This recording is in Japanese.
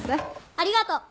ありがとう。